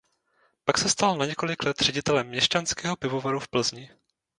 Pak se stal na několik let ředitelem Měšťanského pivovaru v Plzni.